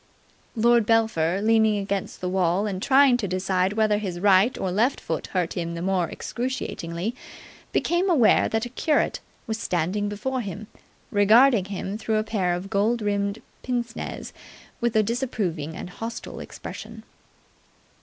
Lord Belpher, leaning against the wall and trying to decide whether his right or left foot hurt him the more excruciatingly, became aware that a curate was standing before him, regarding him through a pair of gold rimmed pince nez with a disapproving and hostile expression.